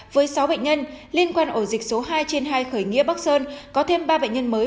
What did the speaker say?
với sáu bệnh nhân liên quan ổ dịch số hai trên hai khởi nghĩa bắc sơn có thêm ba bệnh nhân mới